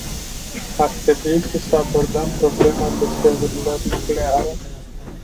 Ar trebui și să abordăm problema deșeurilor nucleare.